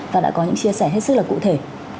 và đã có những chia sẻ hết sức là cụ thể